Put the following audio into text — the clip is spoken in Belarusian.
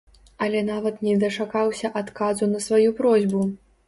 Але нават не дачакаўся адказу на сваю просьбу.